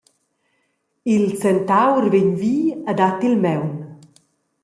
Il centaur vegn vi e dat il maun.